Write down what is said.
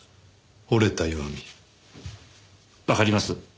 わかります？